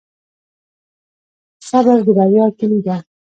صبر د بریا کیلي ده